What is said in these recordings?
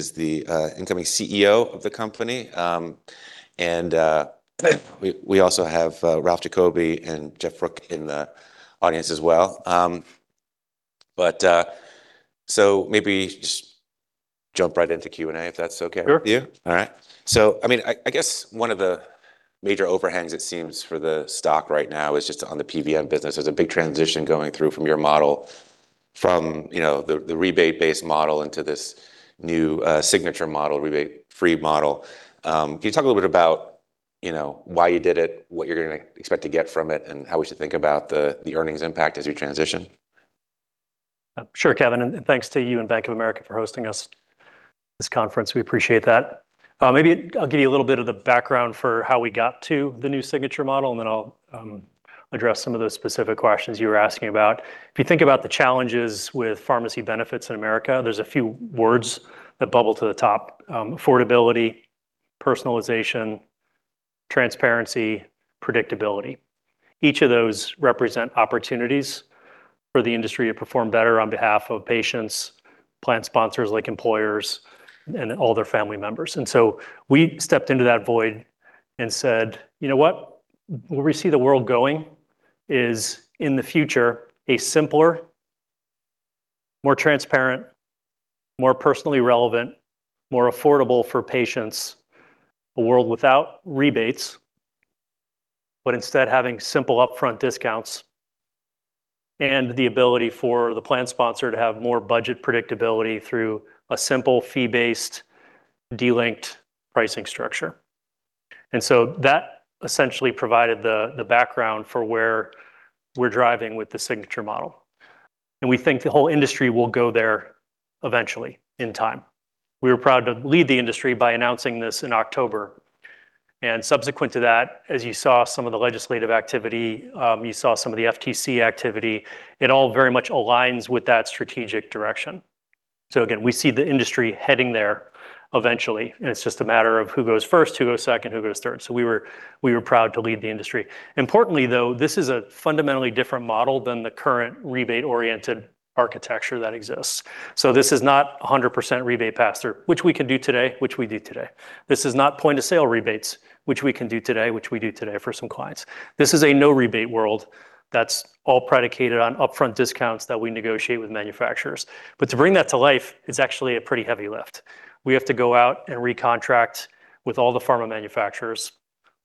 Is the incoming CEO of the company. We also have Ralph Giacobbe and Jeff Brook in the audience as well. Maybe just jump right into Q&A, if that's okay with you. Sure. I mean, I guess one of the major overhangs it seems for the stock right now is just on the PBM business. There's a big transition going through from your model from, you know, the rebate-based model into this new Signature model, rebate-free model. Can you talk a little bit about, you know, why you did it, what you're gonna expect to get from it, and how we should think about the earnings impact as you transition? Sure, Kevin, and thanks to you and Bank of America for hosting us this conference. We appreciate that. Maybe I'll give you a little bit of the background for how we got to the new Signature model, and then I'll address some of those specific questions you were asking about. If you think about the challenges with pharmacy benefits in America, there's a few words that bubble to the top. Affordability, personalization, transparency, predictability. Each of those represent opportunities for the industry to perform better on behalf of patients, plan sponsors like employers and all their family members. We stepped into that void and said, you know what? Where we see the world going is, in the future, a simpler, more transparent, more personally relevant, more affordable for patients, a world without rebates, but instead having simple upfront discounts and the ability for the plan sponsor to have more budget predictability through a simple fee-based, de-linked pricing structure. That essentially provided the background for where we're driving with the Signature model, and we think the whole industry will go there eventually in time. We were proud to lead the industry by announcing this in October, and subsequent to that, as you saw some of the legislative activity, you saw some of the FTC activity, it all very much aligns with that strategic direction. Again, we see the industry heading there eventually, it's just a matter of who goes first, who goes second, who goes third, we were proud to lead the industry. Importantly, though, this is a fundamentally different model than the current rebate-oriented architecture that exists. This is not 100% rebate pass-through, which we can do today, which we do today. This is not point-of-sale rebates, which we can do today, which we do today for some clients. This is a no-rebate world that's all predicated on upfront discounts that we negotiate with manufacturers. To bring that to life, it's actually a pretty heavy lift. We have to go out and recontract with all the pharma manufacturers.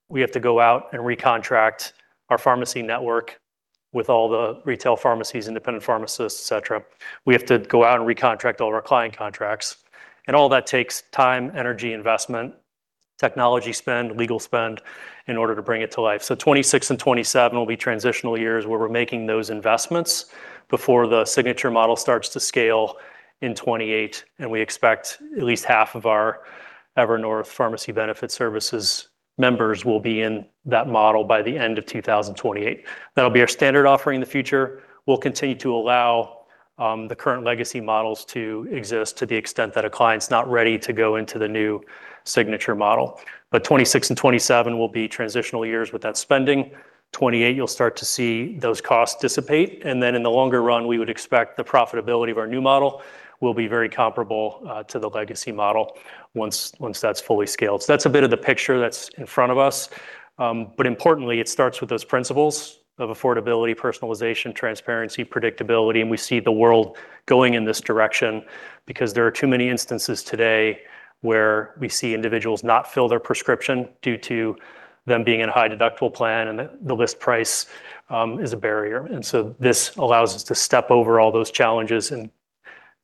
We have to go out and recontract our pharmacy network with all the retail pharmacies, independent pharmacists, et cetera. We have to go out and recontract all of our client contracts, all that takes time, energy, investment, technology spend, legal spend in order to bring it to life. 2026 and 2027 will be transitional years where we're making those investments before the Signature model starts to scale in 2028, and we expect at least half of our Evernorth Pharmacy Benefit Services members will be in that model by the end of 2028. That'll be our standard offering in the future. We'll continue to allow the current legacy models to exist to the extent that a client's not ready to go into the new Signature model. 2026 and 2027 will be transitional years with that spending. 2028, you'll start to see those costs dissipate, and then in the longer run, we would expect the profitability of our new model will be very comparable to the legacy model once that's fully scaled. That's a bit of the picture that's in front of us. Importantly, it starts with those principles of affordability, personalization, transparency, predictability, and we see the world going in this direction because there are too many instances today where we see individuals not fill their prescription due to them being in a high-deductible plan and the list price is a barrier. This allows us to step over all those challenges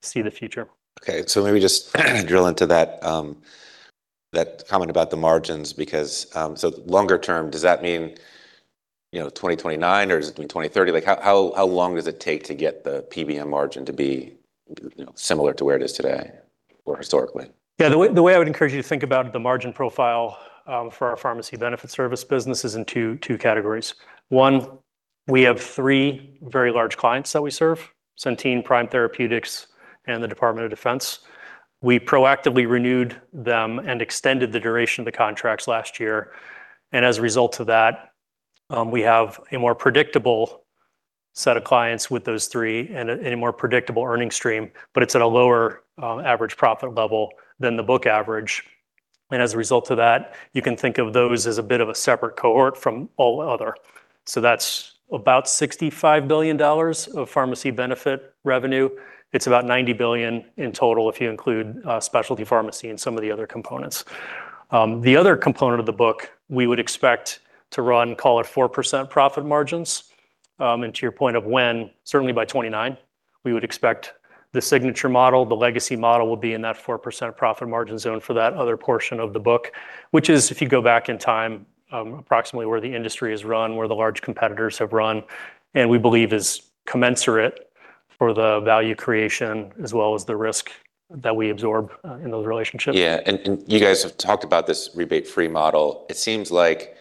and see the future. Okay, maybe just drill into that comment about the margins because, longer term, does that mean, you know, 2029, or does it mean 2030? Like, how long does it take to get the PBM margin to be, you know, similar to where it is today or historically? Yeah. The way I would encourage you to think about the margin profile for our pharmacy benefit service business is in two categories. One, we have three very large clients that we serve, Centene, Prime Therapeutics, and the Department of Defense. We proactively renewed them and extended the duration of the contracts last year. As a result of that, we have a more predictable set of clients with those three and a more predictable earning stream, but it's at a lower average profit level than the book average. As a result of that, you can think of those as a bit of a separate cohort from all other. That's about $65 billion of pharmacy benefit revenue. It's about $90 billion in total if you include specialty pharmacy and some of the other components. The other component of the book, we would expect to run, call it, 4% profit margins, and to your point of when, certainly by 2029 we would expect the Signature model, the legacy model will be in that 4% profit margin zone for that other portion of the book, which is, if you go back in time, approximately where the industry has run, where the large competitors have run, and we believe is commensurate for the value creation as well as the risk that we absorb in those relationships. Yeah. You guys have talked about this rebate-free model. It seems like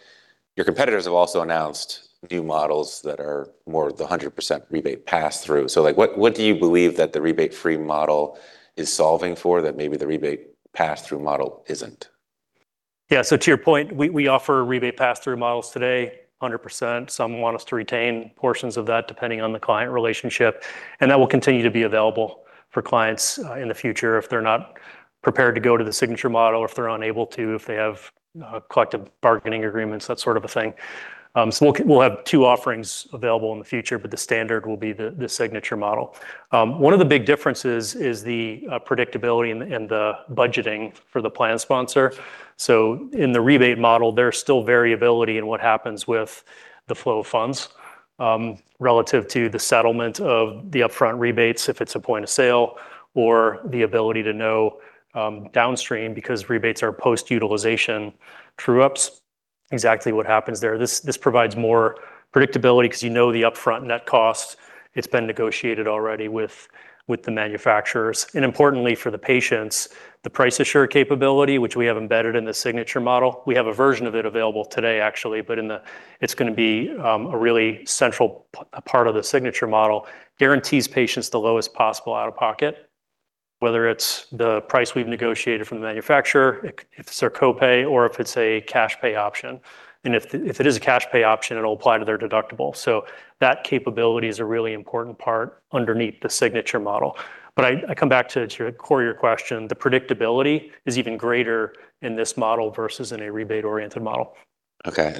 your competitors have also announced new models that are more the 100% rebate pass-through. What do you believe that the rebate-free model is solving for that maybe the rebate pass-through model isn't? So to your point, we offer rebate passthrough models today, 100%. Some want us to retain portions of that depending on the client relationship, and that will continue to be available for clients in the future if they're not prepared to go to the Signature model or if they're unable to, if they have collective bargaining agreements, that sort of a thing. We'll have two offerings available in the future, but the standard will be the Signature model. One of the big differences is the predictability and the budgeting for the plan sponsor. In the rebate model, there's still variability in what happens with the flow of funds, relative to the settlement of the upfront rebates, if it's a point-of-sale or the ability to know downstream because rebates are post-utilization true-ups, exactly what happens there. This provides more predictability 'cause you know the upfront net cost. It's been negotiated already with the manufacturers. Importantly for the patients, the Price Assure capability, which we have embedded in the Signature model, we have a version of it available today actually, but in the it's gonna be a really central part of the Signature model, guarantees patients the lowest possible out-of-pocket, whether it's the price we've negotiated from the manufacturer, if it's their co-pay or if it's a cash pay option. If it is a cash pay option, it'll apply to their deductible. That capability is a really important part underneath the Signature model. I come back to the core of your question, the predictability is even greater in this model versus in a rebate-oriented model.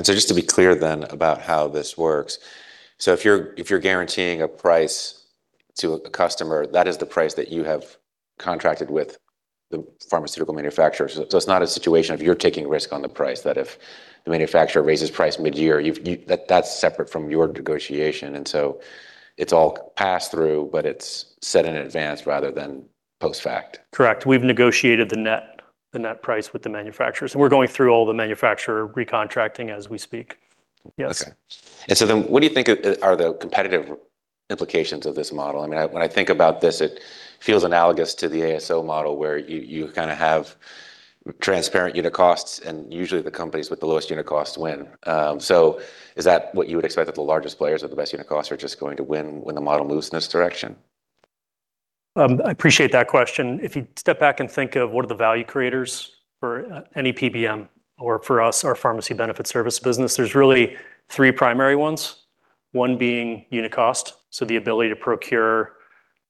Just to be clear then about how this works. If you're, if you're guaranteeing a price to a customer, that is the price that you have contracted with the pharmaceutical manufacturer. It's not a situation of you're taking risk on the price, that if the manufacturer raises price mid-year, you that's separate from your negotiation, it's all passed through, but it's set in advance rather than post-fact. Correct. We've negotiated the net price with the manufacturers. We're going through all the manufacturer recontracting as we speak. Yes. Okay. What do you think are the competitive implications of this model? I mean, when I think about this, it feels analogous to the ASO model where you kinda have transparent unit costs and usually the companies with the lowest unit costs win. Is that what you would expect, that the largest players with the best unit costs are just going to win when the model moves in this direction? I appreciate that question. If you step back and think of what are the value creators for any PBM or for us, our pharmacy benefit service business, there's really three primary ones. One being unit cost, so the ability to procure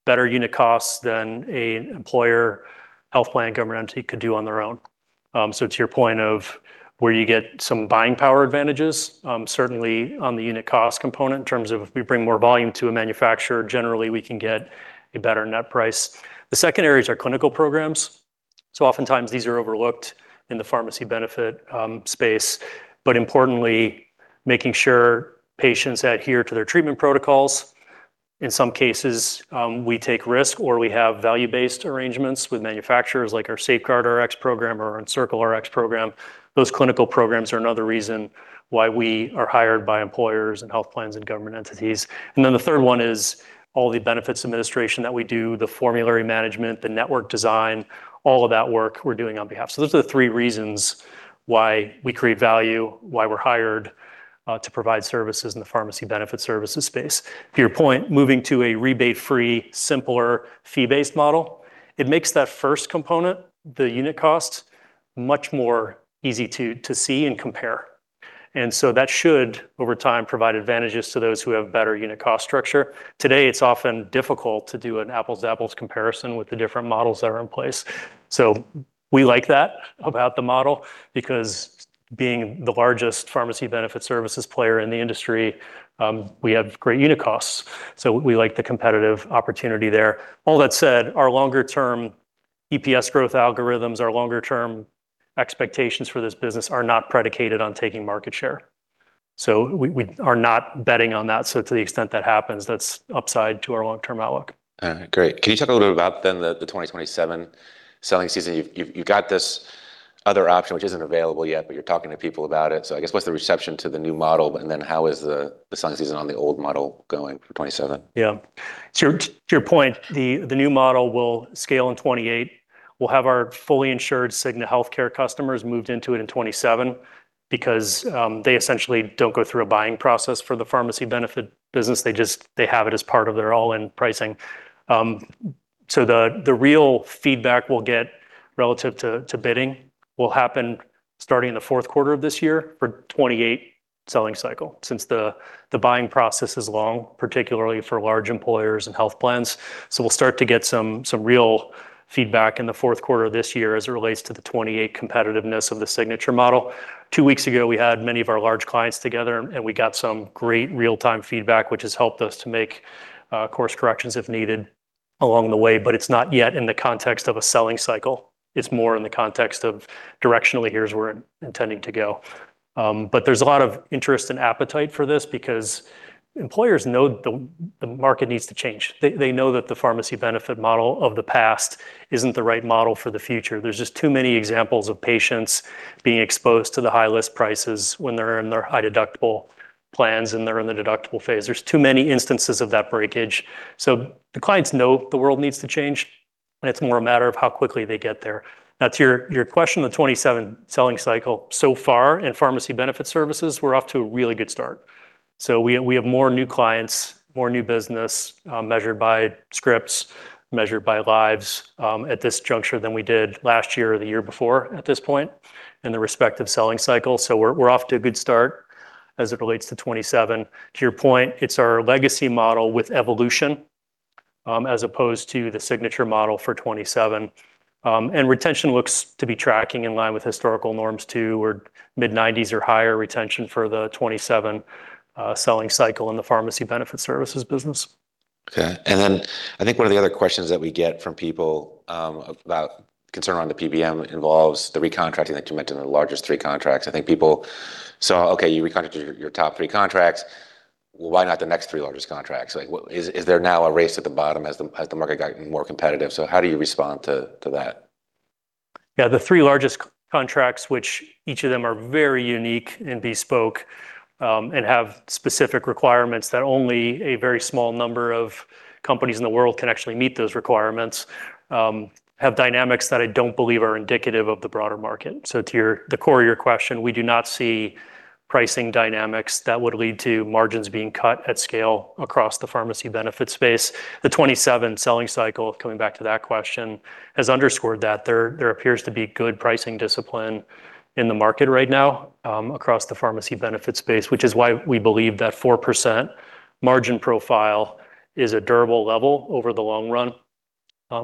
better unit costs than an employer health plan, government entity could do on their own. To your point of where you get some buying power advantages, certainly on the unit cost component in terms of if we bring more volume to a manufacturer, generally we can get a better net price. The 2nd area is our clinical programs. Oftentimes these are overlooked in the pharmacy benefit space, but importantly, making sure patients adhere to their treatment protocols. In some cases, we take risk or we have value-based arrangements with manufacturers like our SafeGuardRx program or EncircleRx program. Those clinical programs are another reason why we are hired by employers and health plans and government entities. The third one is all the benefits administration that we do, the formulary management, the network design, all of that work we're doing on behalf. Those are the three reasons why we create value, why we're hired to provide services in the pharmacy benefit services space. To your point, moving to a rebate-free, simpler fee-based model, it makes that first component, the unit cost, much more easy to see and compare. That should, over time, provide advantages to those who have better unit cost structure. Today, it's often difficult to do an apples to apples comparison with the different models that are in place. We like that about the model because being the largest pharmacy benefit services player in the industry, we have great unit costs, so we like the competitive opportunity there. All that said, our longer term EPS growth algorithms, our longer term expectations for this business are not predicated on taking market share. We are not betting on that. To the extent that happens, that's upside to our long-term outlook. Great. Can you talk a little bit about then the 2027 selling season? You've got this other option which isn't available yet, but you're talking to people about it. I guess what's the reception to the new model, and then how is the selling season on the old model going for 2027? To your point, the new model will scale in 2028. We'll have our fully insured Cigna Healthcare customers moved into it in 2027 because they essentially don't go through a buying process for the pharmacy benefit business. They just have it as part of their all-in pricing. The real feedback we'll get relative to bidding will happen starting in the fourth quarter of this year for 2028 selling cycle, since the buying process is long, particularly for large employers and health plans. We'll start to get some real feedback in the fourth quarter of this year as it relates to the 2028 competitiveness of the Signature model. Two weeks ago, we had many of our large clients together, and we got some great real-time feedback, which has helped us to make course corrections if needed along the way. It's not yet in the context of a selling cycle. It's more in the context of directionally, here's where we're intending to go. There's a lot of interest and appetite for this because employers know the market needs to change. They know that the pharmacy benefit model of the past isn't the right model for the future. There's just too many examples of patients being exposed to the high list prices when they're in their high deductible plans, and they're in the deductible phase. There's too many instances of that breakage. The clients know the world needs to change, and it's more a matter of how quickly they get there. To your question, the 2027 selling cycle so far in pharmacy benefit services, we're off to a really good start. We have more new clients, more new business, measured by scripts, measured by lives, at this juncture than we did last year or the year before at this point in the respective selling cycle. We're off to a good start as it relates to 2027. To your point, it's our legacy model with evolution, as opposed to the Signature model for 2027. Retention looks to be tracking in line with historical norms too. We're mid-90s or higher retention for the 2027 selling cycle in the pharmacy benefit services business. Okay. I think one of the other questions that we get from people about concern around the PBM involves the recontracting that you mentioned in the largest three contracts. I think people saw, okay, you recontracted your top three contracts. Why not the next three largest contracts? Is there now a race at the bottom as the market got more competitive? How do you respond to that? The three largest contracts, which each of them are very unique and bespoke, and have specific requirements that only a very small number of companies in the world can actually meet those requirements, have dynamics that I don't believe are indicative of the broader market. To your the core of your question, we do not see pricing dynamics that would lead to margins being cut at scale across the pharmacy benefit space. The 2027 selling cycle, coming back to that question, has underscored that there appears to be good pricing discipline in the market right now across the pharmacy benefit space, which is why we believe that 4% margin profile is a durable level over the long run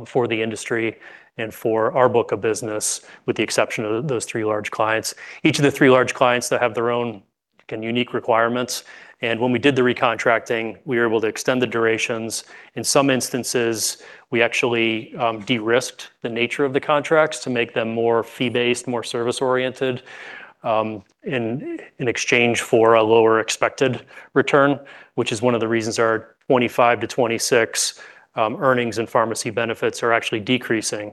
for the industry and for our book of business, with the exception of those three large clients. Each of the three large clients that have their own unique requirements. When we did the recontracting, we were able to extend the durations. In some instances, we actually de-risked the nature of the contracts to make them more fee-based, more service-oriented, in exchange for a lower expected return, which is one of the reasons our 2025-2026 earnings and pharmacy benefits are actually decreasing,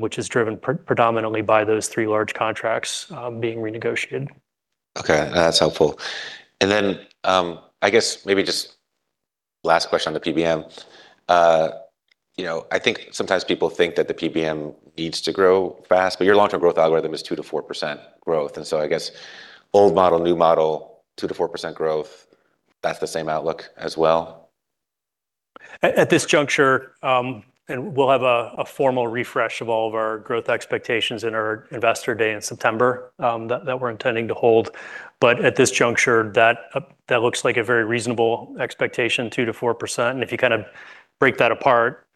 which is driven predominantly by those three large contracts being renegotiated. Okay. That's helpful. I guess maybe just last question on the PBM. you know, I think sometimes people think that the PBM needs to grow fast, but your long-term growth algorithm is 2%-4% growth. I guess old model, new model, 2%-4% growth, that's the same outlook as well. At this juncture, we'll have a formal refresh of all of our growth expectations in our Investor Day in September that we're intending to hold. At this juncture, that looks like a very reasonable expectation, 2%-4%. If you kinda break that apart,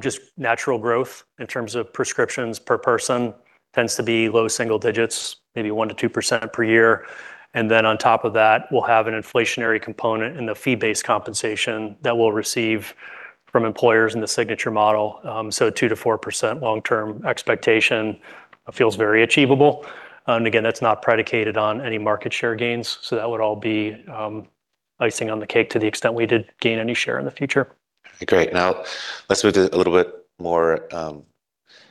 just natural growth in terms of prescriptions per person tends to be low single digits, maybe 1%-2% per year. Then on top of that, we'll have an inflationary component in the fee-based compensation that we'll receive from employers in the Signature model. 2%-4% long-term expectation feels very achievable. Again, that's not predicated on any market share gains, so that would all be icing on the cake to the extent we did gain any share in the future. Great. Now let's move to a little bit more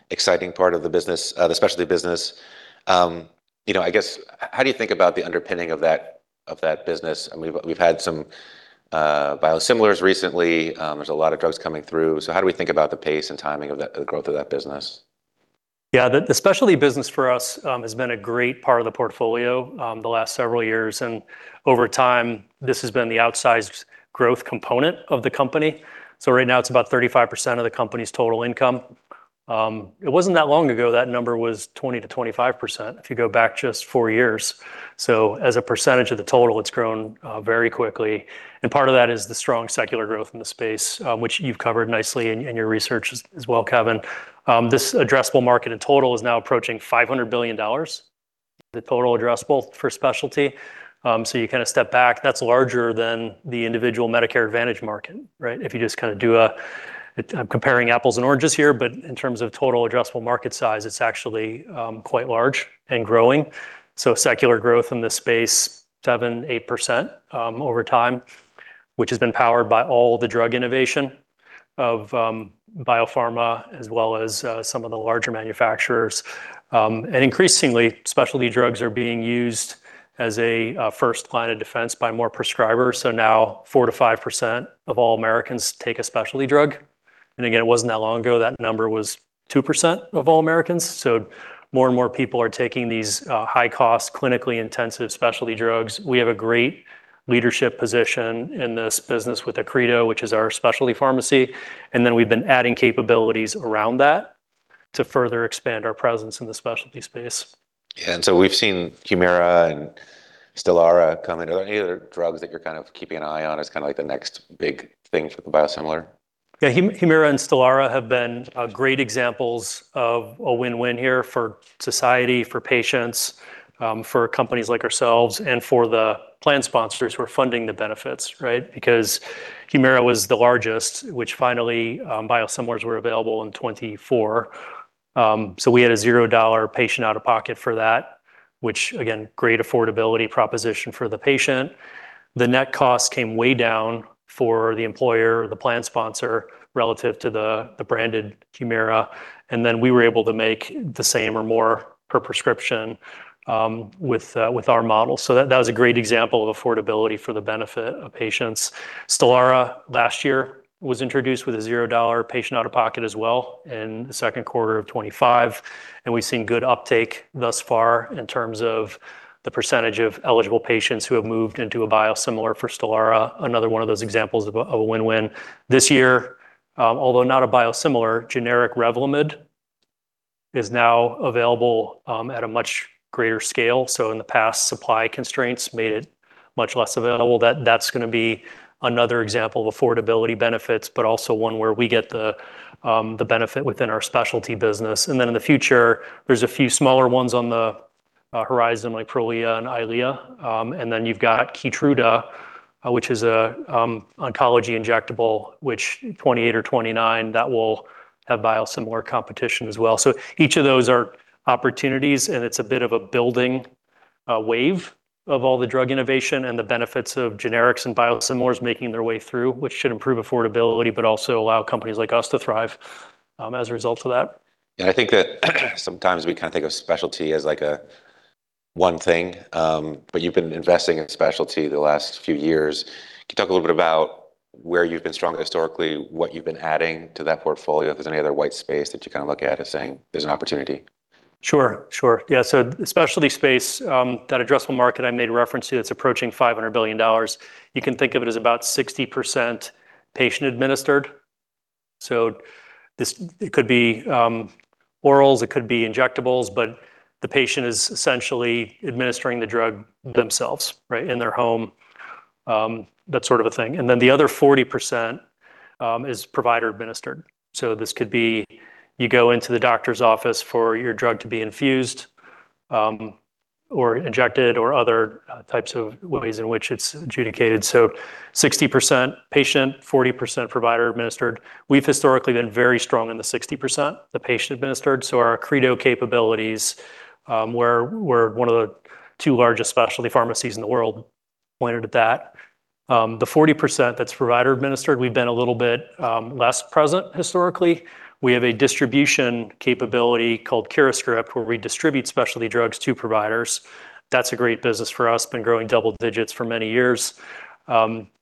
exciting part of the business, the specialty business. You know, I guess, how do you think about the underpinning of that, of that business? I mean, we've had some biosimilars recently. There's a lot of drugs coming through. How do we think about the pace and timing of that the growth of that business? The specialty business for us has been a great part of the portfolio the last several years. Over time, this has been the outsized growth component of the company. Right now, it's about 35% of the company's total income. It wasn't that long ago that number was 20%-25%, if you go back just four years. As a percentage of the total, it's grown very quickly. Part of that is the strong secular growth in the space, which you've covered nicely in your research as well, Kevin. This addressable market in total is now approaching $500 billion, the total addressable for specialty. You kinda step back, that's larger than the individual Medicare Advantage market, right? If you just kinda do a I'm comparing apples and oranges here, but in terms of total addressable market size, it's actually quite large and growing. Secular growth in this space, 7%, 8% over time, which has been powered by all the drug innovation of biopharma as well as some of the larger manufacturers. Increasingly, specialty drugs are being used as a first line of defense by more prescribers. Now 4%-5% of all Americans take a specialty drug. Again, it wasn't that long ago that number was 2% of all Americans. More and more people are taking these high-cost, clinically intensive specialty drugs. We have a great leadership position in this business with Accredo, which is our specialty pharmacy, and then we've been adding capabilities around that to further expand our presence in the specialty space. Yeah. We've seen HUMIRA and STELARA coming. Are there any other drugs that you're kind of keeping an eye on as kinda like the next big thing for the biosimilar? Yeah. HUMIRA and STELARA have been great examples of a win-win here for society, for patients, for companies like ourselves, and for the plan sponsors who are funding the benefits, right. HUMIRA was the largest, which finally, biosimilars were available in 2024. We had a $0 patient out-of-pocket for that, which again, great affordability proposition for the patient. The net cost came way down for the employer, the plan sponsor, relative to the branded HUMIRA, we were able to make the same or more per prescription with our model. That was a great example of affordability for the benefit of patients. STELARA last year was introduced with a $0 patient out-of-pocket as well in the second quarter of 2025, and we've seen good uptake thus far in terms of the percentage of eligible patients who have moved into a biosimilar for STELARA. Another one of those examples of a win-win. This year, although not a biosimilar, generic REVLIMID is now available at a much greater scale. In the past, supply constraints made it much less available. That's gonna be another example of affordability benefits, but also one where we get the benefit within our specialty business. In the future, there's a few smaller ones on the horizon, like Prolia and EYLEA. You've got KEYTRUDA, which is an oncology injectable, which 2028 or 2029, that will have biosimilar competition as well. Each of those are opportunities, and it's a bit of a building, a wave of all the drug innovation and the benefits of generics and biosimilars making their way through, which should improve affordability, but also allow companies like us to thrive, as a result of that. Yeah, I think that sometimes we kinda think of specialty as, like, a one thing. You've been investing in specialty the last few years. Can you talk a little bit about where you've been strong historically, what you've been adding to that portfolio, if there's any other white space that you kinda look at as saying there's an opportunity? Sure, sure. The specialty space, that addressable market I made reference to, that's approaching $500 billion. You can think of it as about 60% patient administered. It could be orals, it could be injectables, but the patient is essentially administering the drug themselves, right, in their home, that sort of a thing. The other 40% is provider administered. This could be you go into the doctor's office for your drug to be infused or injected or other types of ways in which it's adjudicated. 60% patient, 40% provider administered. We've historically been very strong in the 60%, the patient administered, so our Accredo capabilities, we're one of the two largest specialty pharmacies in the world pointed at that. The 40% that's provider administered, we've been a little bit less present historically. We have a distribution capability called CuraScript, where we distribute specialty drugs to providers. That's a great business for us, been growing double digits for many years.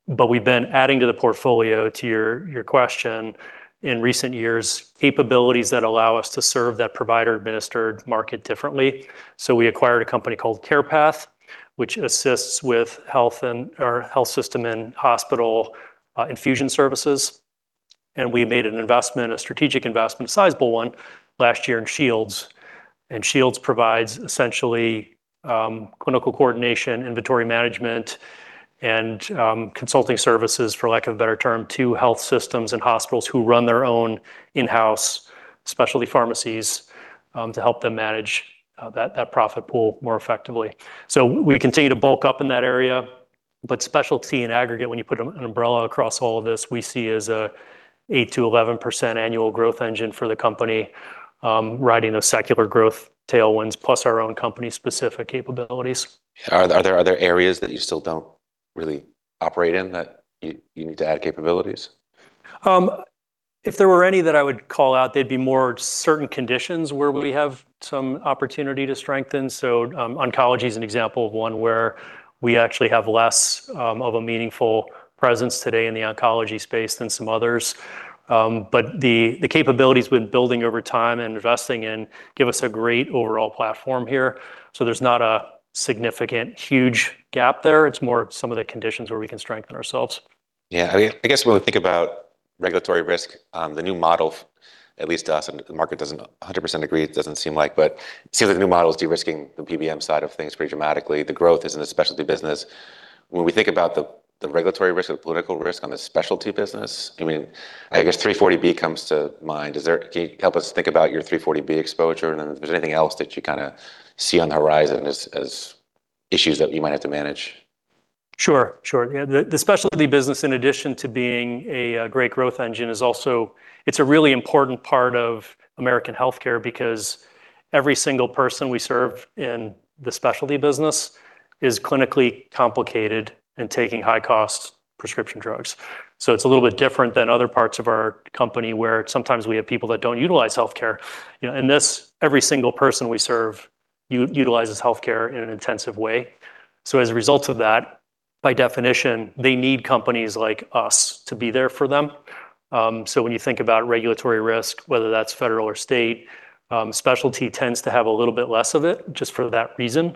We've been adding to the portfolio, to your question, in recent years, capabilities that allow us to serve that provider administered market differently. We acquired a company called Carepath, which assists with health system and hospital infusion services. We made an investment, a strategic investment, a sizable one, last year in Shields. Shields provides essentially clinical coordination, inventory management, and consulting services, for lack of a better term, to health systems and hospitals who run their own in-house specialty pharmacies, to help them manage that profit pool more effectively. We continue to bulk up in that area, but specialty in aggregate, when you put an umbrella across all of this, we see as a 8%-11% annual growth engine for the company, riding those secular growth tailwinds plus our own company-specific capabilities. Are there other areas that you still don't really operate in that you need to add capabilities? If there were any that I would call out, they'd be more certain conditions where we have some opportunity to strengthen. Oncology is an example of one where we actually have less of a meaningful presence today in the oncology space than some others. But the capability's been building over time and investing in give us a great overall platform here. There's not a significant huge gap there. It's more some of the conditions where we can strengthen ourselves. Yeah. I guess when we think about regulatory risk, the new model, at least to us, and the market doesn't 100% agree, it doesn't seem like, but it seems like the new model is de-risking the PBM side of things pretty dramatically. The growth is in the specialty business. When we think about the regulatory risk or the political risk on the specialty business, I mean, I guess 340B comes to mind. Can you help us think about your 340B exposure? If there's anything else that you kinda see on the horizon as issues that you might have to manage? Sure, sure. Yeah. The specialty business, in addition to being a great growth engine, is also a really important part of American healthcare because every single person we serve in the specialty business is clinically complicated and taking high-cost prescription drugs. It's a little bit different than other parts of our company, where sometimes we have people that don't utilize healthcare. You know, in this, every single person we serve utilizes healthcare in an intensive way. As a result of that, by definition, they need companies like us to be there for them. When you think about regulatory risk, whether that's federal or state, specialty tends to have a little bit less of it just for that reason,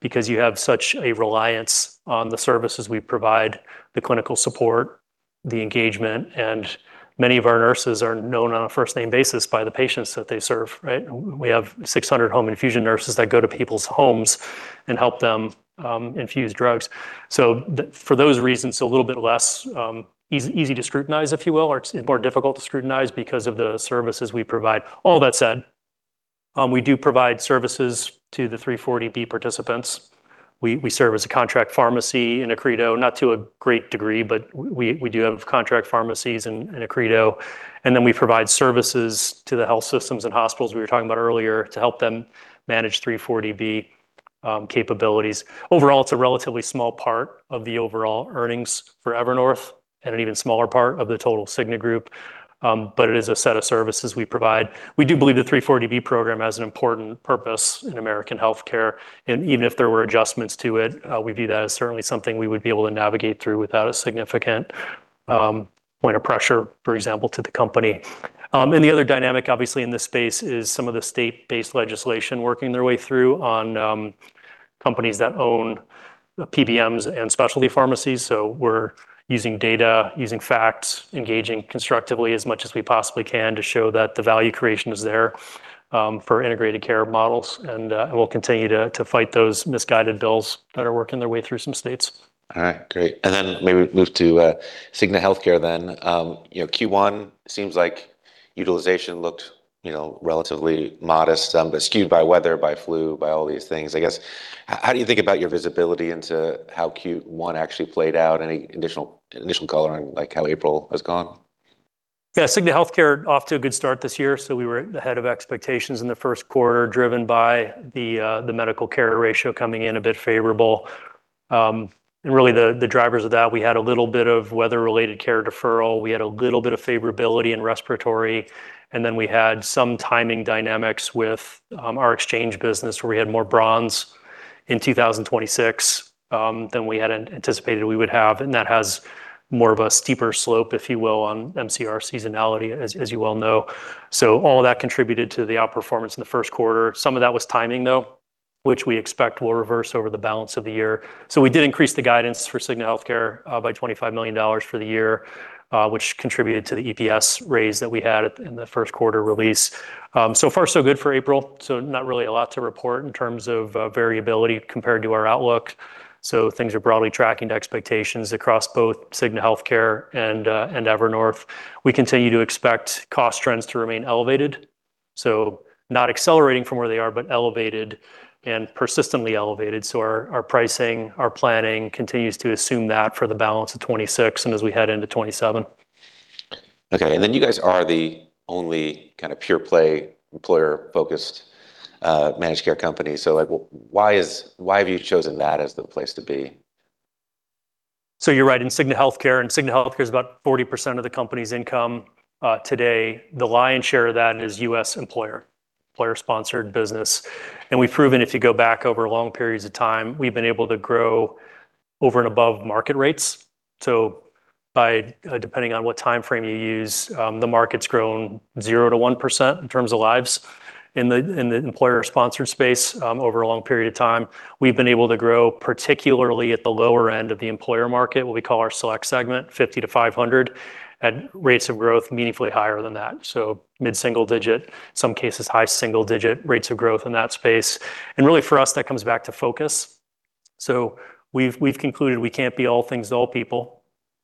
because you have such a reliance on the services we provide, the clinical support, the engagement, and many of our nurses are known on a first name basis by the patients that they serve, right? We have 600 home infusion nurses that go to people's homes and help them infuse drugs. For those reasons, a little bit less easy to scrutinize, if you will, or it's more difficult to scrutinize because of the services we provide. All that said, we do provide services to the 340B participants. We serve as a contract pharmacy in Accredo, not to a great degree, but we do have contract pharmacies in Accredo, and then we provide services to the health systems and hospitals we were talking about earlier to help them manage 340B capabilities. Overall, it's a relatively small part of the overall earnings for Evernorth and an even smaller part of the total The Cigna Group, but it is a set of services we provide. We do believe the 340B program has an important purpose in American healthcare, and even if there were adjustments to it, we view that as certainly something we would be able to navigate through without a significant point of pressure, for example, to the company. The other dynamic obviously in this space is some of the state-based legislation working their way through on companies that own PBMs and specialty pharmacies. We're using data, using facts, engaging constructively as much as we possibly can to show that the value creation is there for integrated care models. We'll continue to fight those misguided bills that are working their way through some states. All right. Great. Then maybe move to Cigna Healthcare then. You know, Q1 seems like utilization looked, you know, relatively modest, but skewed by weather, by flu, by all these things. I guess, how do you think about your visibility into how Q1 actually played out? Any additional, initial color on, like, how April has gone? Yeah. Cigna Healthcare off to a good start this year, we were ahead of expectations in the first quarter, driven by the medical care ratio coming in a bit favorable. Really the drivers of that, we had a little bit of weather-related care deferral. We had a little bit of favorability in respiratory, then we had some timing dynamics with our exchange business where we had more bronze in 2026 than we had anticipated we would have. That has more of a steeper slope, if you will, on MCR seasonality, as you well know. All that contributed to the outperformance in the first quarter. Some of that was timing though, which we expect will reverse over the balance of the year. We did increase the guidance for Cigna Healthcare by $25 million for the year, which contributed to the EPS raise that we had in the first quarter release. So far so good for April, not really a lot to report in terms of variability compared to our outlook. Things are broadly tracking to expectations across both Cigna Healthcare and Evernorth. We continue to expect cost trends to remain elevated, so not accelerating from where they are, but elevated and persistently elevated. Our pricing, our planning continues to assume that for the balance of 2026 and as we head into 2027. Okay. You guys are the only kind of pure play employer-focused managed care company. Like, why have you chosen that as the place to be? You're right. In Cigna Healthcare, and Cigna Healthcare is about 40% of the company's income today. The lion's share of that is U.S. employer-sponsored business. We've proven if you go back over long periods of time, we've been able to grow over and above market rates. By, depending on what timeframe you use, the market's grown 0%-1% in terms of lives in the employer-sponsored space, over a long period of time. We've been able to grow, particularly at the lower end of the employer market, what we call our Select segment, 50-500, at rates of growth meaningfully higher than that. Mid-single digit, some cases high single digit rates of growth in that space. Really for us that comes back to focus. We've concluded we can't be all things to all people.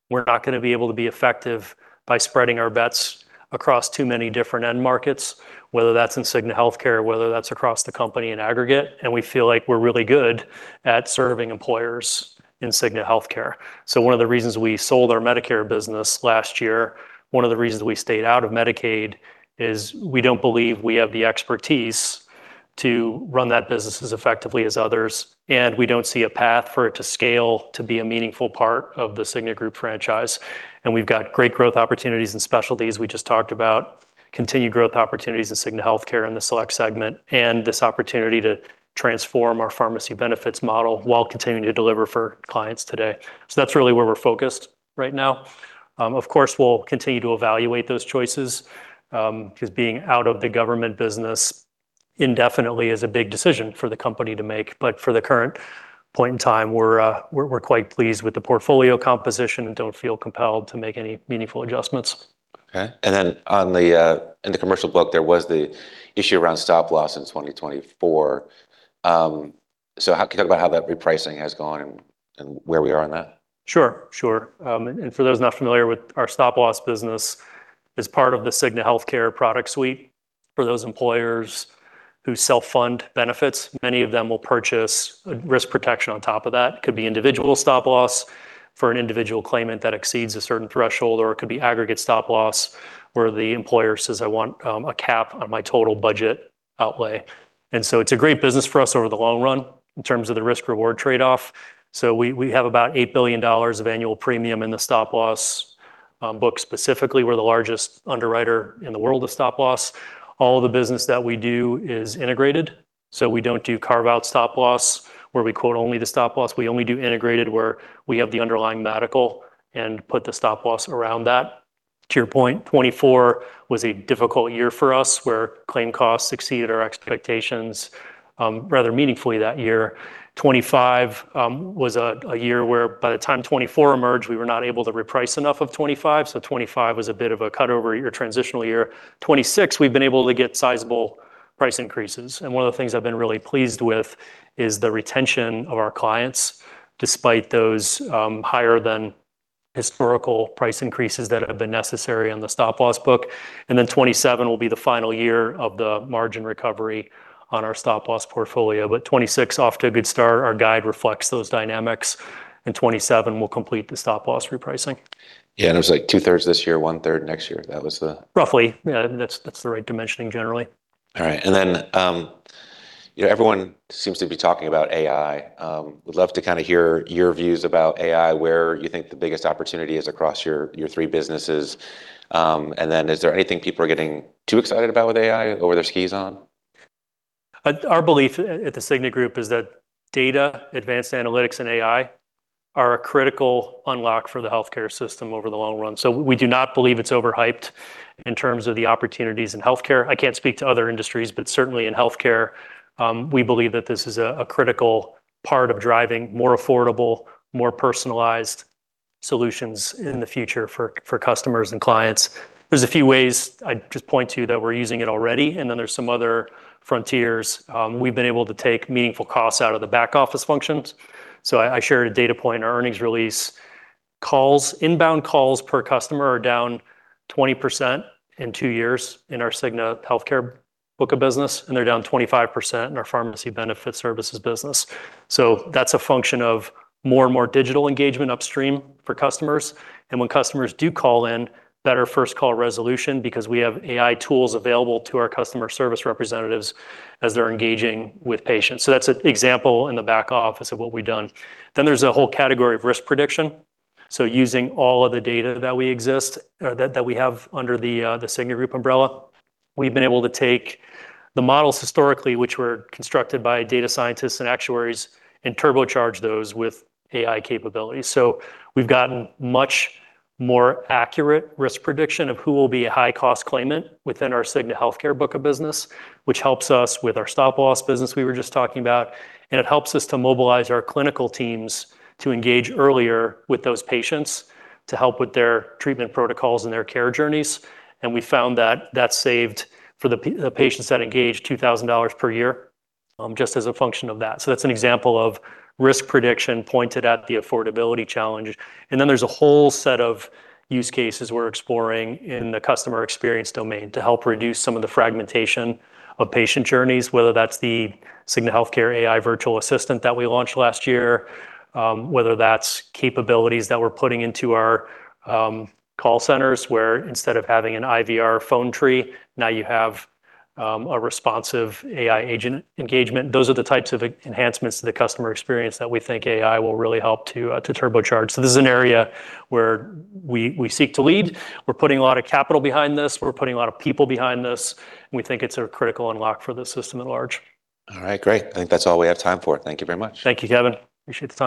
We're not gonna be able to be effective by spreading our bets across too many different end markets, whether that's in Cigna Healthcare, whether that's across the company in aggregate, and we feel like we're really good at serving employers in Cigna Healthcare. One of the reasons we sold our Medicare business last year, one of the reasons we stayed out of Medicaid is we don't believe we have the expertise to run that business as effectively as others, and we don't see a path for it to scale to be a meaningful part of the Cigna Group franchise. We've got great growth opportunities and specialties we just talked about, continued growth opportunities in Cigna Healthcare in the Select segment, and this opportunity to transform our pharmacy benefits model while continuing to deliver for clients today. That's really where we're focused right now. Of course, we'll continue to evaluate those choices, 'cause being out of the government business indefinitely is a big decision for the company to make. For the current point in time, we're quite pleased with the portfolio composition and don't feel compelled to make any meaningful adjustments. Okay. In the commercial book, there was the issue around stop loss in 2024. How can you talk about how that repricing has gone and where we are on that? Sure. Sure. For those not familiar with our stop loss business, as part of the Cigna Healthcare product suite, for those employers who self-fund benefits, many of them will purchase risk protection on top of that. Could be individual stop loss for an individual claimant that exceeds a certain threshold, or it could be aggregate stop loss, where the employer says, "I want a cap on my total budget outlay." It's a great business for us over the long run in terms of the risk-reward trade-off. We have about $8 billion of annual premium in the stop loss book. Specifically, we're the largest underwriter in the world of stop loss. All the business that we do is integrated, so we don't do carve-out stop loss, where we quote only the stop loss. We only do integrated, where we have the underlying medical and put the stop loss around that. To your point, 2024 was a difficult year for us, where claim costs exceeded our expectations, rather meaningfully that year. 2025 was a year where by the time 2024 emerged, we were not able to reprice enough of 2025 was a bit of a cut-over year, transitional year. 2026, we've been able to get sizable price increases, one of the things I've been really pleased with is the retention of our clients, despite those higher than historical price increases that have been necessary on the stop loss book. 2027 will be the final year of the margin recovery on our stop loss portfolio. 2026, off to a good start. Our guide reflects those dynamics, 2027 we'll complete the stop loss repricing. Yeah, it was like 2/3 this year, 1/3 next year. Roughly. Yeah, that's the right dimensioning generally. All right. You know, everyone seems to be talking about AI. Would love to kinda hear your views about AI, where you think the biggest opportunity is across your three businesses. Is there anything people are getting too excited about with AI or their skis on? Our belief at The Cigna Group is that data, advanced analytics, and AI are a critical unlock for the healthcare system over the long run. We do not believe it's overhyped in terms of the opportunities in healthcare. I can't speak to other industries, but certainly in healthcare, we believe that this is a critical part of driving more affordable, more personalized solutions in the future for customers and clients. There's a few ways I'd just point to that we're using it already, and then there's some other frontiers. We've been able to take meaningful costs out of the back office functions. I shared a data point in our earnings release. Calls, inbound calls per customer are down 20% in two years in our Cigna Healthcare book of business, and they're down 25% in our Pharmacy Benefit Services business. That's a function of more and more digital engagement upstream for customers. When customers do call in, better first call resolution because we have AI tools available to our customer service representatives as they're engaging with patients. That's an example in the back office of what we've done. There's a whole category of risk prediction. Using all of the data that we exist, that we have under The Cigna Group umbrella, we've been able to take the models historically which were constructed by data scientists and actuaries and turbocharge those with AI capabilities. We've gotten much more accurate risk prediction of who will be a high-cost claimant within our Cigna Healthcare book of business, which helps us with our stop loss business we were just talking about, and it helps us to mobilize our clinical teams to engage earlier with those patients to help with their treatment protocols and their care journeys. We found that that saved, for the patients that engaged, $2,000 per year, just as a function of that. That's an example of risk prediction pointed at the affordability challenge. There's a whole set of use cases we're exploring in the customer experience domain to help reduce some of the fragmentation of patient journeys, whether that's the Cigna Healthcare AI virtual assistant that we launched last year, whether that's capabilities that we're putting into our call centers, where instead of having an IVR phone tree, now you have a responsive AI agent engagement. Those are the types of enhancements to the customer experience that we think AI will really help to turbocharge. This is an area where we seek to lead. We're putting a lot of capital behind this. We're putting a lot of people behind this. We think it's a critical unlock for the system at large. All right. Great. I think that's all we have time for. Thank you very much. Thank you, Kevin. Appreciate the time.